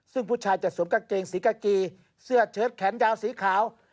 ซึ่งผู้ชายจะสวมกางเกงสีกากีเสื้อเชิดแขนยาวสีขาว